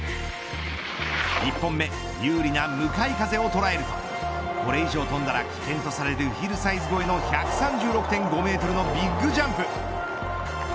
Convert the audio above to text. １本目、有利な向かい風を捉えるとこれ以上飛んだら危険とされるヒルサイズ越えの１３６．５メートルのビッグジャンプ。